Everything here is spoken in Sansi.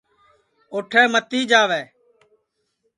اُوٹھے متی جاوے